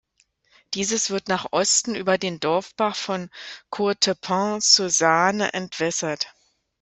Dieses wird nach Osten über den Dorfbach von Courtepin zur Saane entwässert.